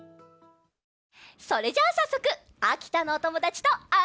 それじゃあさっそくあきたのおともだちとあっそぼう！